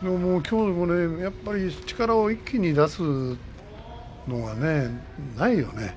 きょうも力を一気に出すのがないよね。